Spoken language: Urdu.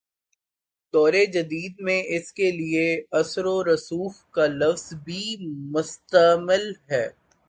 دور جدید میں اس کے لیے" اثرورسوخ کا لفظ بھی مستعمل ہے۔